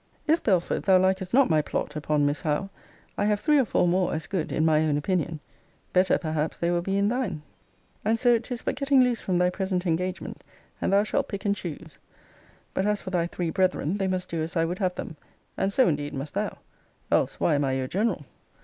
If, Belford, thou likest not my plot upon Miss Howe, I have three or four more as good in my own opinion; better, perhaps, they will be in thine: and so 'tis but getting loose from thy present engagement, and thou shalt pick and choose. But as for thy three brethren, they must do as I would have them: and so, indeed, must thou Else why am I your general?